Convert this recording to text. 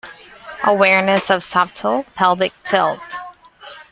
Awareness of subtle pelvic tilt.